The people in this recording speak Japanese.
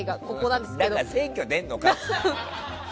だから選挙出るのかよ！